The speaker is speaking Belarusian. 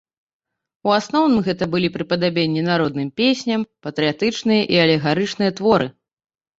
У асноўным гэта былі прыпадабненні народным песням, патрыятычныя і алегарычныя творы.